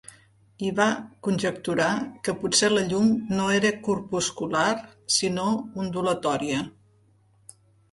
I va conjecturar que potser la llum no era corpuscular, sinó ondulatòria.